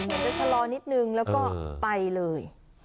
เดี๋ยวจะรอนิดนึงแล้วก็ไปเลย